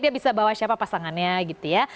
dia bisa bawa siapa pasangannya gitu ya